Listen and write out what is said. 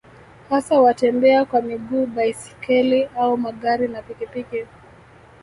hasa watembea kwa miguu baiskeli au magari na pikipiki